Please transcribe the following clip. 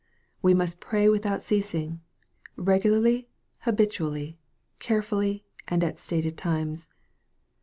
We must pray without ceasing, regularly, habitually, carefully, and at stated times.